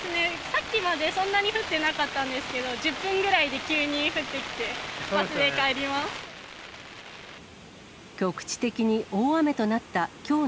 さっきまでそんなに降ってなかったんですけど、１０分ぐらいで急に降ってきて、バスで帰ります。